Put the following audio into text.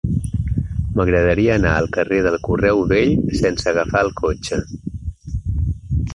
M'agradaria anar al carrer del Correu Vell sense agafar el cotxe.